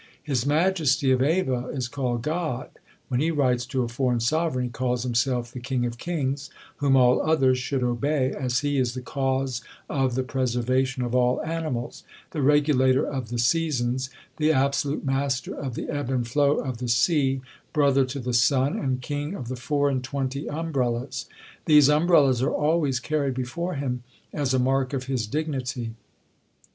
His majesty of Ava is called God: when he writes to a foreign sovereign he calls himself the king of kings, whom all others should obey, as he is the cause of the preservation of all animals; the regulator of the seasons, the absolute master of the ebb and flow of the sea, brother to the sun, and king of the four and twenty umbrellas! These umbrellas are always carried before him as a mark of his dignity.